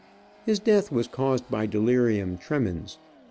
His death was caused by delirium tremens.